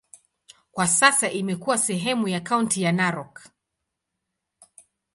Kwa sasa imekuwa sehemu ya kaunti ya Narok.